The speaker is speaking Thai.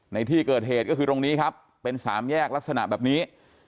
ในที่เกิดเหตุก็คือตรงนี้ครับเป็นสามแยกลักษณะแบบนี้